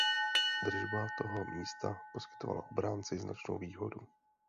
Držba toho místa poskytovala obránci značnou výhodu.